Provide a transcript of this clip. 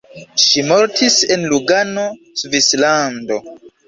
Ŝi mortis en Lugano, Svislando.